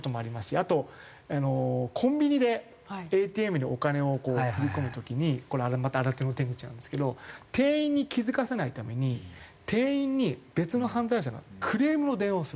あとあのコンビニでＡＴＭにお金を振り込む時にこれまた新手の手口なんですけど店員に気付かせないために店員に別の犯罪者がクレームの電話をするんですね。